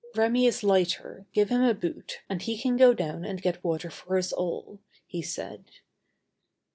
"Remi is lighter, give him a boot, and he can go down and get water for us all," he said.